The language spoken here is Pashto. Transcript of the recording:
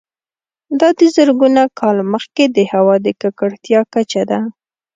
دا د زرګونه کاله مخکې د هوا د ککړتیا کچه ده